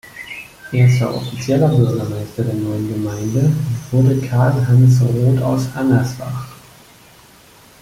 Erster offizieller Bürgermeister der neuen Gemeinde wurde Karl Hans Roth aus Angersbach.